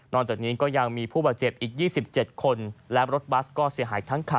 จากนี้ก็ยังมีผู้บาดเจ็บอีก๒๗คนและรถบัสก็เสียหายทั้งคัน